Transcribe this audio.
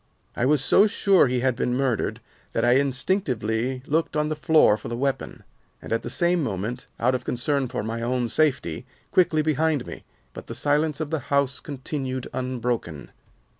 "I was so sure he had been murdered that I instinctively looked on the floor for the weapon, and, at the same moment, out of concern for my own safety, quickly behind me; but the silence of the house continued unbroken.